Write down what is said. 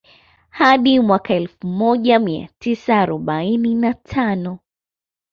Hadi mwaka Elfu moja mia tisa arobaini na tano